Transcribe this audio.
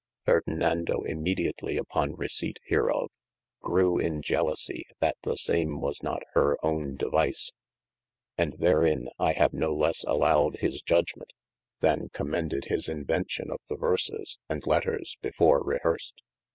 FErdinando immediatly upon receyte heerof, grew in jelosie that the same was not hir owne devise. And therin I have no lesse allowed his judgement, than comrnencTexr "Ki§ invention of the 'verses," and letters before rehersed.